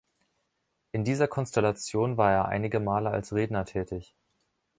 In dieser Konstellation war er einige Male als Redner tätig.